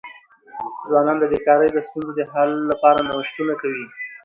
ځوانان د بېکاری د ستونزو د حل لپاره نوښتونه کوي.